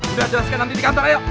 sudah jelaskan nanti di kantor ayo